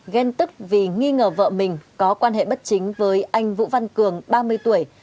ghen tức vì nghi ngờ vợ mình có quan hệ bất chính với anh vũ văn cường ba mươi tuổi